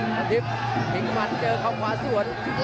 นัทธิพย์ถึงมันเจอข้าวขวาส่วน